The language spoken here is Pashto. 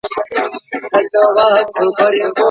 اسلام د نورو حکيمانه لارو تر څنګ طلاق ته مشروعيت ورکړی دی.